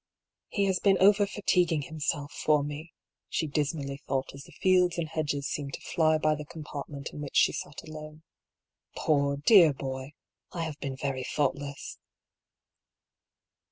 " He has been overfatiguing himself for me," she dismally thought as the fields and hedges seemed to fly by the compartment in which she sat alone. " Poor, dear boy ! I have been very thoughtless."